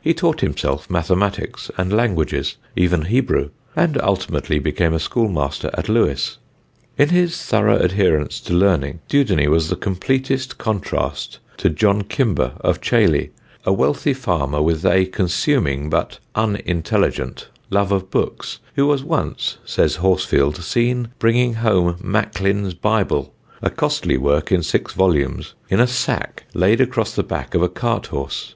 He taught himself mathematics and languages, even Hebrew, and ultimately became a schoolmaster at Lewes. In his thorough adherence to learning Dudeney was the completest contrast to John Kimber of Chailey, a wealthy farmer with a consuming but unintelligent love of books, who was once, says Horsfield, seen bringing home Macklin's Bible, a costly work in six volumes in a sack laid across the back of a cart horse.